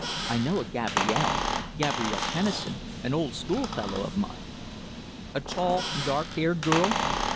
I know a Gabrielle Gabrielle Tennison an old schoolfellow of mine." "A tall, dark haired girl?"